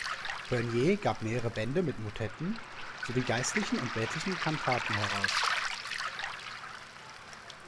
Bernier gab mehrere Bände mit Motetten sowie geistlichen und weltlichen Kantaten heraus.